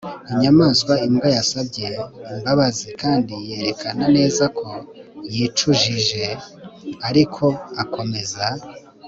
inyamaswa imbwa yasabye imbabazi kandi yerekana neza ko yicujije, ariko akomeza